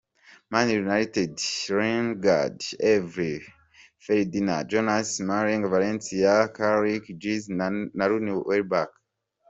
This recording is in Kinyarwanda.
Man Utd: Lindegaard, Evra, Ferdinand, Jones, Smalling, Valencia, Carrick, Giggs, Nani, Rooney, Welbeck.